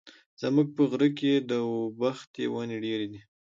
زموږ په غره کي د اوبښتي وني ډېري دي.